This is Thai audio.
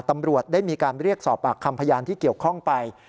ตำรวจได้มีการเรียกสอบปากคำพยานที่เกี่ยวข้องไป